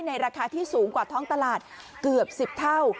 ราคาที่สูงกว่าท้องตลาดเกือบ๑๐เท่า